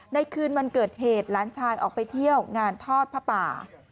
คืนวันเกิดเหตุหลานชายออกไปเที่ยวงานทอดผ้าป่า